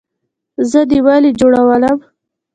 زه دې ولۍ جوړولم؟